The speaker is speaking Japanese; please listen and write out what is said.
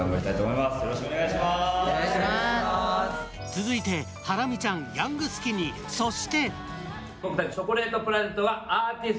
続いて、ハラミちゃんヤングスキニー、そして。